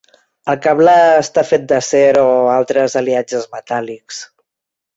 El cable està fet d'acer o altres aliatges metàl·lics.